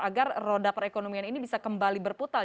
agar roda perekonomian ini bisa kembali berputar